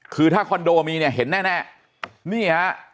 คือถ้าคอนโดมีเนี่ยเห็นแน่นี่ฮะ